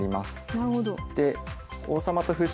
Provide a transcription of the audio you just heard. なるほど。